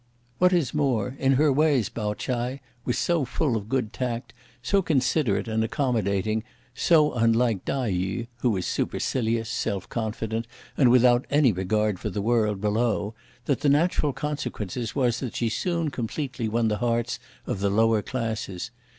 What is more, in her ways Pao Ch'ai was so full of good tact, so considerate and accommodating, so unlike Tai yü, who was supercilious, self confident, and without any regard for the world below, that the natural consequence was that she soon completely won the hearts of the lower classes.